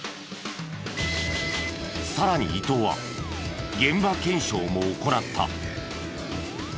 さらに伊藤は現場検証も行った。